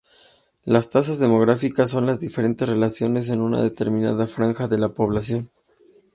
Las tasas demográficas son las diferentes relaciones en una determinada franja de la población.